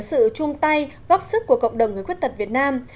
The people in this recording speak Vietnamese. hy vọng rằng với sự chung tay góp sức của cộng đồng người khuyết tật việt nam